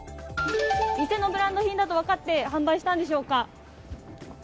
偽のブランド品など分かって販売したんでしょうか？